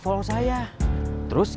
kan luar biasa vetrut